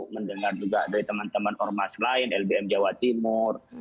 mendengar juga dari teman teman ormas lain lbm jawa timur